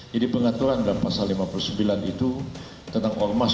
jadi pengaturan dalam pasal lima puluh sembilan itu tentang ormas yang dianggap